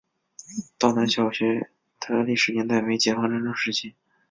道南小学的历史年代为解放战争时期。